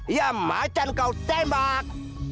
ya macan kau tembak